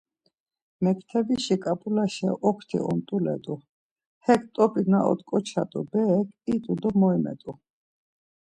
Mektebiş ǩap̌ulaşe okti ont̆ule t̆u, hek t̆opi na ot̆ǩoçat̆u berek it̆u do moimet̆u.